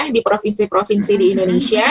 di provinsi provinsi di indonesia